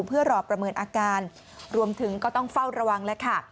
เพื่อรอประเมินอาการรวมถึงก็ต้องเฝ้าระวังแล้วค่ะ